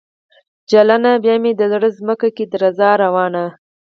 جلانه ! بیا مې د زړه ځمکه کې درزا روانه